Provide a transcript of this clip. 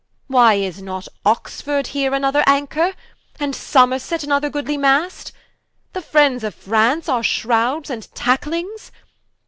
Why is not Oxford here, another Anchor? And Somerset, another goodly Mast? The friends of France our Shrowds and Tacklings?